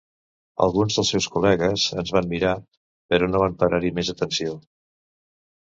Alguns dels seus col·legues ens van mirar, però no van parar-hi més atenció.